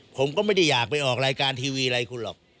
ผมก็ไม่ได้อยากไปออกรายการทีวีอะไรคุณหรอก